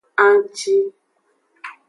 Anngci.